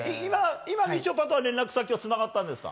今、みちょぱとは連絡先はつながったんですか？